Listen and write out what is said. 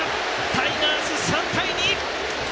タイガース、３対２！